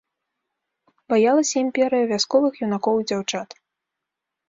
Баялася імперыя вясковых юнакоў і дзяўчат.